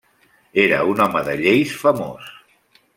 Era un home de lleis famós.